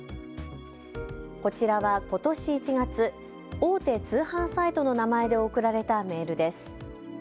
こちらはことし１月、大手通販サイトの名前で送られたメールです。